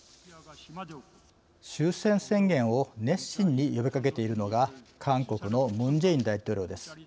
終戦宣言を熱心に呼びかけているのが韓国のムン・ジェイン大統領です。